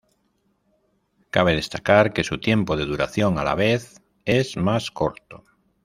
Cabe destacar que su tiempo de duración a la vez, es más corto.